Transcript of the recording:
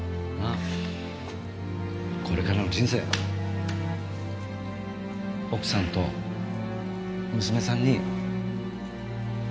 これからの人生奥さんと娘さんに謝り倒せよ。